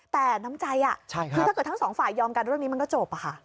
แต่น้ำใจคือถ้าเกิดทั้งสองฝ่ายยอมกันเรื่องนี้มันก็จบค่ะ